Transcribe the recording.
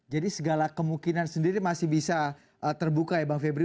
jadi segala kemungkinan sendiri masih bisa terbuka ya bang febri